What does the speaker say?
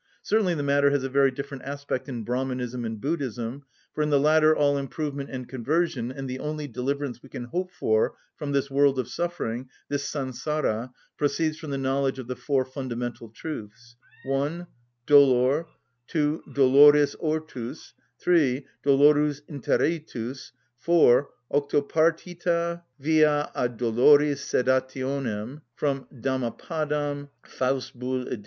Certainly the matter has a very different aspect in Brahmanism and Buddhism, for in the latter all improvement and conversion, and the only deliverance we can hope for from this world of suffering, this Sansara, proceeds from the knowledge of the four fundamental truths: (1) dolor; (2) doloris ortus; (3) doloris interitus; (4) octopartita via ad doloris sedationem (Dammapadam, ed.